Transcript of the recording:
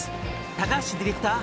「高橋ディレクター